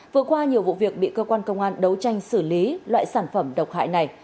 vừa qua nhiều vụ việc bị cơ quan công an đấu tranh xử lý loại sản phẩm độc hại này